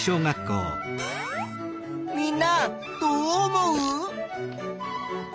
みんなどう思う？